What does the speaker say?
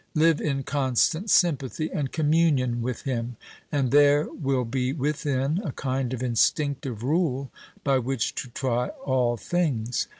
live in constant sympathy and communion with him and there will be within a kind of instinctive rule by which to try all things.